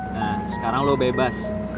nah sekarang lo bebas